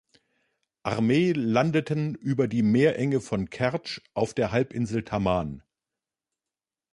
Armee landeten über die Meerenge von Kertsch auf der Halbinsel Taman.